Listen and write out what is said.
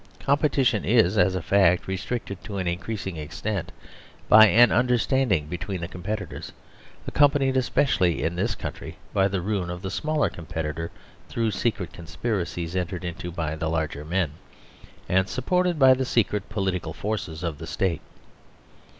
Competition is, as a fact, restricted to an increasing extent by an understand ingbetween the competitors, accompanied, especially in this country, by the ruin of the smaller competitor through secret conspiracies entered into by the larger men, and supported by the secret political forces of the State.